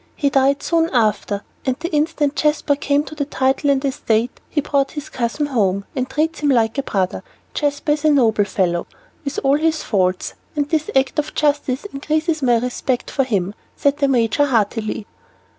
He died soon after, and the instant Jasper came to the title and estate he brought his cousin home, and treats him like a brother. Jasper is a noble fellow, with all his faults, and this act of justice increases my respect for him," said the major heartily.